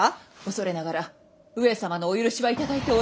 恐れながら上様のお許しは頂いており。